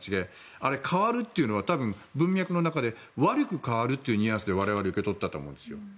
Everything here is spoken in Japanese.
あれ、変わるというのは多分、文脈の中で悪く変わるというニュアンスで我々は受け取ったと思うんです。